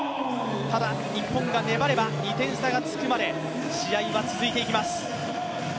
ただ、日本が粘れば２点差がつくまで試合は続いていきます。